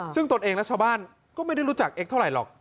ซึ่งตนเองและชาวบ้านก็ไม่ได้รู้จักเอ็กเท่าไหรหรอก